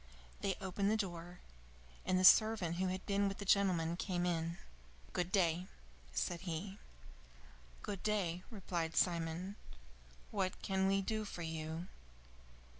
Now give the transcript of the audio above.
They opened the door, and the servant who had been with the gentleman came in. "Good day," said he. "Good day," replied Simon. "What can we do for you?"